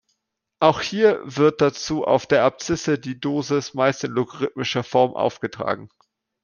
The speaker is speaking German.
Auch hier wird dazu auf der Abszisse die Dosis, meist in logarithmischer Form, aufgetragen.